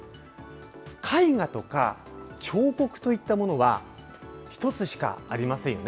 絵画とか彫刻といったものは、１つしかありませんよね。